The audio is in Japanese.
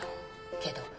けど